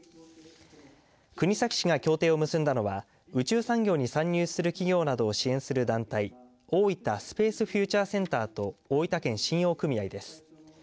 国東市が協定を結んだのは宇宙産業に参入する企業などを支援する団体おおいたスペースフューチャーセンターと大分県信用組合です。